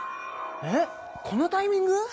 えっこのタイミング？